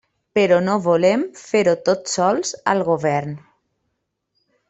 Però no volem fer-ho tot sols al Govern.